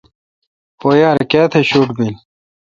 پو یار کیاتہ شوٹ بیل۔